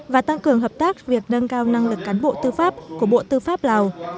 và tăng cường hợp tác việc nâng cao năng lực cán bộ tư pháp của bộ tư pháp lào